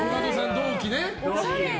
同期ね。